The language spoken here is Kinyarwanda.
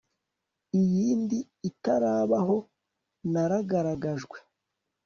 Iyindi itarabaho naragaragajwe